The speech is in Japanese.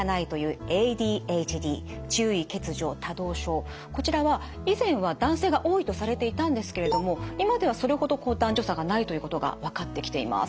で一方のこちらは以前は男性が多いとされていたんですけれども今ではそれほど男女差がないということが分かってきています。